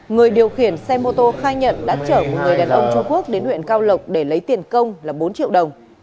người điều khiển xe mô tô khai nhận đã chở một người đàn ông trung quốc đến huyện cao lộc để lấy tiền công là bốn triệu đồng